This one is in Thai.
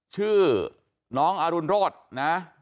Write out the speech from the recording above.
ชื่อน้องอรุณโรธนะ